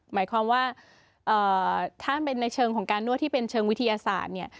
หมายความว่าถ้าเป็นในเชิงของการนวดที่เป็นเชิงวิทยาศาสตร์เนี่ย